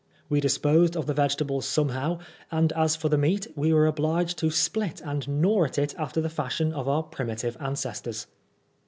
We disposed of the vegetables somehow, and as for the meat, we were obliged to split and gnaw it after the fashion of our primitive ancestors.